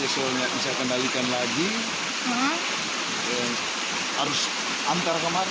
soalnya bisa kendalikan lagi harus antar kemari